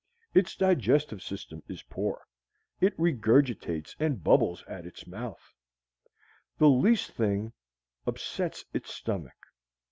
Its digestive system is poor: it regurgitates and bubbles at the mouth. The least thing upsets its stomach.